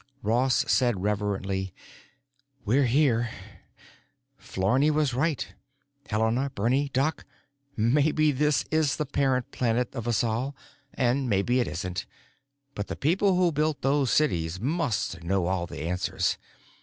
Ross said reverently, "We're here. Flarney was right. Helena, Bernie, Doc—maybe this is the parent planet of us all and maybe it isn't. But the people who built those cities must know all the answers.